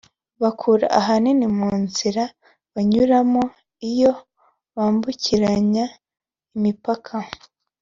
bakura ahanini mu nzira banyuramo iyo bambukiranya imipaka